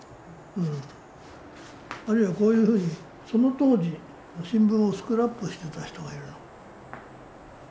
あるいはこういうふうにその当時新聞をスクラップしてた人がいるの。